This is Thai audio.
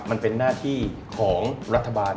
มันเป็นหน้าที่ของรัฐบาล